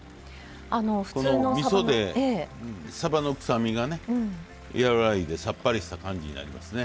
みそでさばの臭みが和らいでさっぱりした感じになりますね。